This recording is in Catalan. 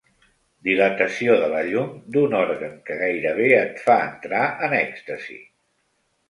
Dilatació de la llum d'un òrgan que gairebé et fa entrar en èxtasi.